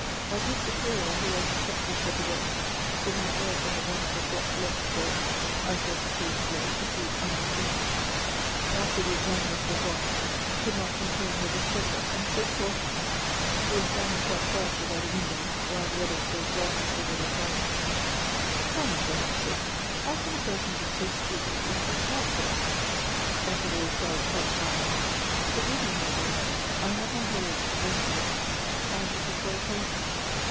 Our good superior, who like a trusty shcjiherdess could not bear to have one of her flock lost, or, as was the case here, to see it undistinguished, after the examiners were gone could not contain her displeasure, and said to Ottilie, who was standing quite quietly by the window, while the others were exulting over their prizes, 'Tell me, for heaven's sake, how can a person look so stupid if she is not so?' Ottilie replied, quite calmly, 'Forgive me, my dear mother, I have my lieadache again to day, and it is very painful.'